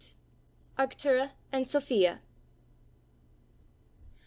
ARCTURA AND SOPHIA.